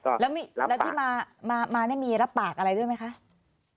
แล้วที่มานี่มีรับปากอะไรด้วยไหมคะ